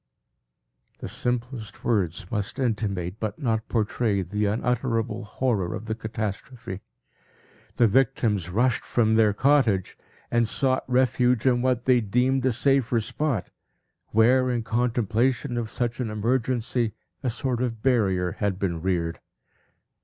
The simplest words must intimate, but not portray, the unutterable horror of the catastrophe. The victims rushed from their cottage, and sought refuge in what they deemed a safer spot, where, in contemplation of such an emergency, a sort of barrier had been reared.